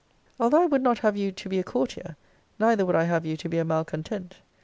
Although I would not have you to be a courtier; neither would I have you to be a malcontent.